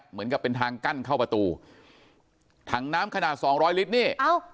เหมือนกับเป็นทางกั้นเข้าประตูถังน้ำขนาดสองร้อยลิตรนี่เอ้า